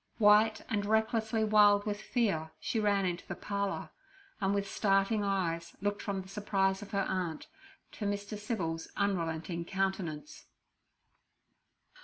White and recklessly wild with fear, she ran into the parlour, and with starting eyes looked from the surprise of her aunt to Mr. Civil's unrelenting countenance.